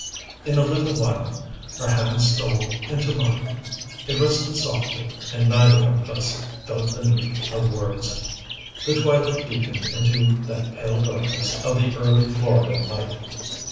In a little while her hand stole into mine. It rested softly, and neither of us felt the need of words. The twilight deepened into that pale darkness of the early Floridan night.